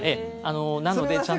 なので、ちゃんと。